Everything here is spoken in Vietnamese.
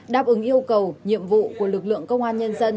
đáp ứng yêu cầu nhiệm vụ của lực lượng công an nhân dân